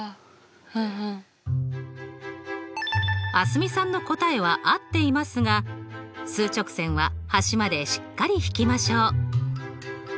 蒼澄さんの答えは合っていますが数直線は端までしっかり引きましょう。